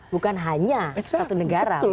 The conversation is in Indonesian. bukan hanya satu negara